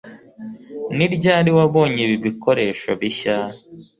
ni ryari wabonye ibi bikoresho bishya